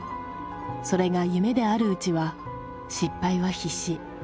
それが夢であるうちは失敗は必至。